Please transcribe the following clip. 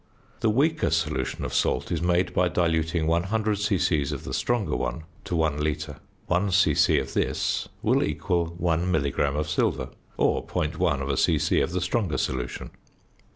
The weaker solution of salt is made by diluting 100 c.c. of the stronger one to one litre. One c.c. of this will equal 1 milligram of silver, or 0.1 c.c. of the stronger solution.